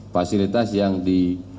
fasilitas yang dimiliki oleh